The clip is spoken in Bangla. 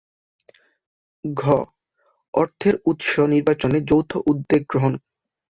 ঘ. অর্থের উৎস নির্বাচনে যৌথ উদ্যোগ গ্রহণ